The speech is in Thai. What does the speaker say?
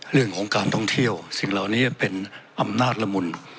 เรื่องของการท่องเที่ยวสิ่งเหล่านี้เป็นอำนาจละมุน